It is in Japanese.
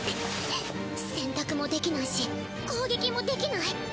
くっ選択もできないし攻撃もできない？